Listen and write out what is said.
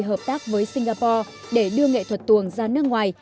hợp tác với singapore để đưa nghệ thuật tuồng ra nước ngoài